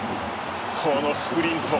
このスプリント。